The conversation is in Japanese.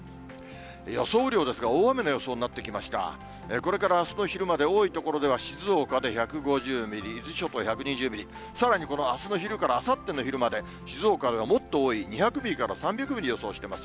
これからあすの昼まで、多い所では、静岡で１５０ミリ、伊豆諸島１２０ミリ、さらにこのあすの昼からあさっての昼まで、静岡ではもっと多い、２００ミリから３００ミリを予想してます。